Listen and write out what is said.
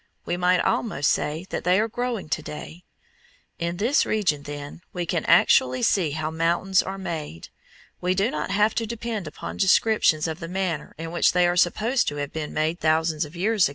We might almost say that they are growing to day. In this region, then, we can actually see how mountains are made; we do not have to depend upon descriptions of the manner in which they are supposed to have been made thousands of years ago.